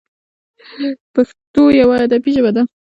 پښتو یوه ادبي ژبه ده.